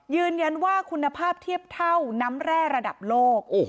ยืนยันว่าคุณภาพเทียบเท่าน้ำแร่ระดับโลก